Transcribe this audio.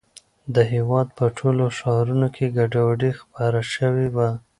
د هېواد په ټولو ښارونو کې ګډوډي خپره شوې وه.